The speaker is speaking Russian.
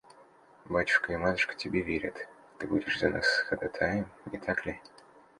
Батюшка и матушка тебе верят: ты будешь за нас ходатаем, не так ли?